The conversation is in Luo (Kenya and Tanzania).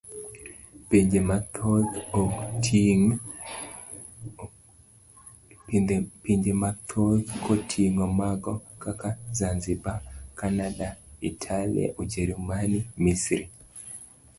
Pinje mathoth koting'o mago kaka Zanzibar, Cananda, Italia, Ujerumani, Misri.